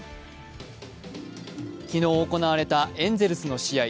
昨日行われたエンゼルスの試合。